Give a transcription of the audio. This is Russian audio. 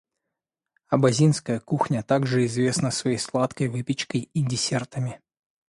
Абазинская кухня также известна своей сладкой выпечкой и десертами.